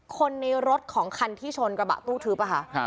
คนในรถของคันที่ชนกระบะตู้ทึบอะค่ะ